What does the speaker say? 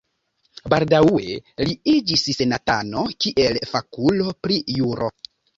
Baldaŭe li iĝis senatano kiel fakulo pri juro.